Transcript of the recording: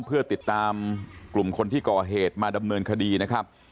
เพื่อติดตามกลุ่มคนที่ก่อเหตุมาดำเนินคดีนะครับ